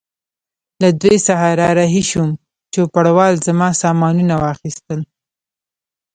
له دوی څخه را رهي شوم، چوپړوال زما سامانونه واخیستل.